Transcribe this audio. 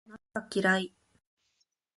夏が嫌い